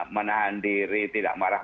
menahan diri tidak marah